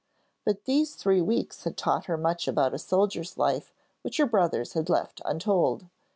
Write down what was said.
But these three weeks had taught her much about a soldier's life which her brothers had left untold.